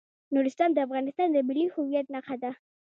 نورستان د افغانستان د ملي هویت نښه ده.